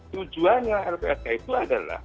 tujuannya lpsk itu adalah